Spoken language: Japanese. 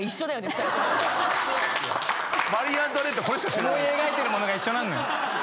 思い描いてるものが一緒なのよ。